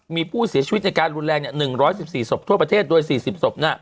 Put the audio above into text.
มีผู้เสียชีวิตในการรุนแรง๑๑๔ศพทั่วประเทศโดย๔๐ศพ